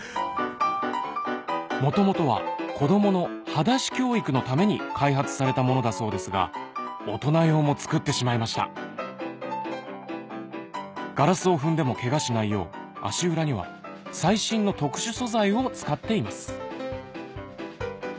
元々は子供のはだし教育のために開発されたものだそうですが大人用も作ってしまいましたガラスを踏んでもケガしないよう足裏には最新の特殊素材を使っています